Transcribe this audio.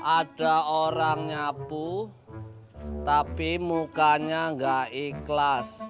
ada orang nyapu tapi mukanya nggak ikhlas